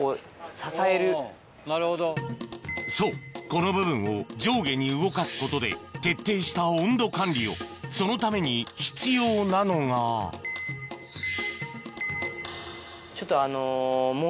そうこの部分を上下に動かすことで徹底した温度管理をそのために必要なのがちょっとあの。